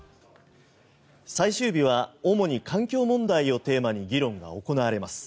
最終日は主に環境問題をテーマに議論が行われます。